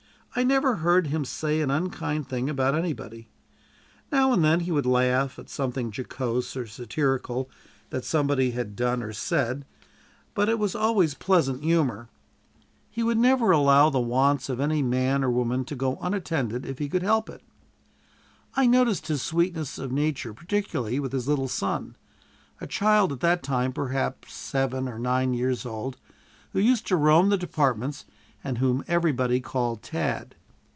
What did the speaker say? I never heard him say an unkind thing about anybody. Now and then he would laugh at something jocose or satirical that somebody had done or said, but it was always pleasant humor. He would never allow the wants of any man or woman to go unattended to if he could help it. I noticed his sweetness of nature particularly with his little son, a child at that time perhaps seven or nine years old, who used to roam the departments and whom everybody called "Tad."